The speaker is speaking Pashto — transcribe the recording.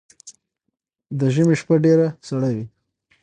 ده ژمی شپه ډیره سړه وی